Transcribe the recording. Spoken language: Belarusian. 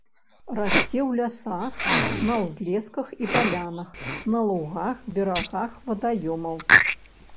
Расце ў лясах, на ўзлесках і палянах, на лугах, берагах вадаёмаў.